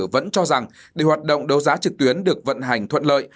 vẫn cho rằng để hoạt động đấu giá trực tuyến được vận hành thuận lợi